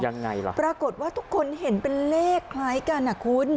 ยังไงล่ะปรากฏว่าทุกคนเห็นเป็นเลขคล้ายกันอ่ะคุณ